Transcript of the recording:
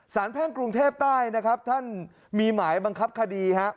แพ่งกรุงเทพใต้นะครับท่านมีหมายบังคับคดีฮะ